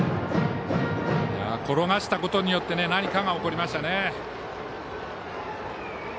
転がしたことによって何かが起こりましたね。